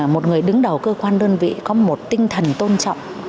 một người đứng đầu cơ quan đơn vị có một tinh thần tôn trọng